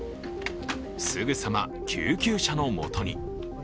すぐさま救急車のもとに。